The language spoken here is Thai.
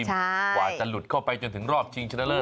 กว่าจะหลุดเข้าไปจนถึงรอบชิงชนะเลิศ